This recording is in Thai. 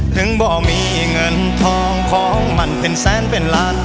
บ่มีเงินทองของมันเป็นแสนเป็นล้าน